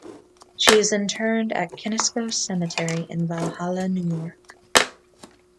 She is interred in Kensico Cemetery in Valhalla, New York.